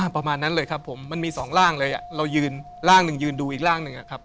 ประมาณนั้นเลยครับผมมันมีสองร่างเลยเรายืนร่างหนึ่งยืนดูอีกร่างหนึ่งอะครับ